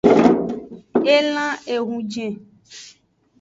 Elan ehunjen.